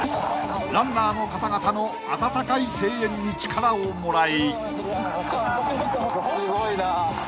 ［ランナーの方々の温かい声援に力をもらい］